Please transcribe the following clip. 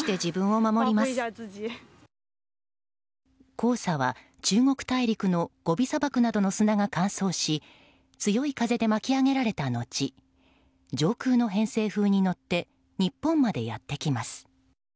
黄砂は中国大陸のゴビ砂漠などの砂が乾燥し強い風で巻き上げられた後上空の偏西風に乗って日本までやってきます。